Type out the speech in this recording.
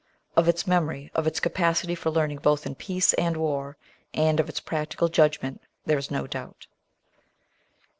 Of its memory, of its capacity for learning both in peace and war, and of its practical judgment, there is no doubt.